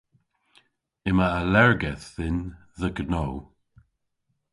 Yma allergedh dhyn dhe gnow.